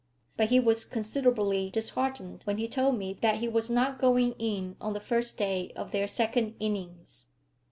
But he was considerably disheartened when he told me that he was not going in on the first day of their second innings.